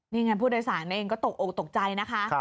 นี่ไงผู้โดยสารเองก็ตกออกตกใจนะคะ